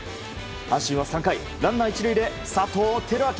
阪神は３回ランナー１塁で佐藤輝明。